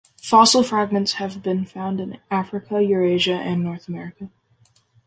Fossil fragments have been found in Africa, Eurasia, and North America.